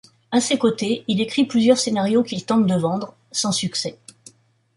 À ses côtés, il écrit plusieurs scénarios qu'il tente de vendre, sans succès.